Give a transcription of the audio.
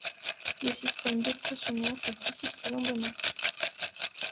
Le système dépressionnaire se dissipe le lendemain.